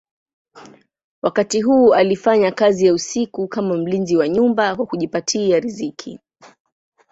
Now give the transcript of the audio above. Wakati huu alifanya kazi ya usiku kama mlinzi wa nyumba kwa kujipatia riziki.